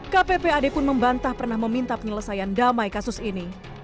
kppad pun membantah pernah meminta penyelesaian